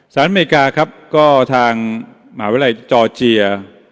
สหรัฐอเมริกาก็ทางมหาวิทยาลัยจอร์เจีย